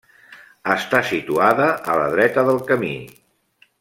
Està situada a la dreta del camí.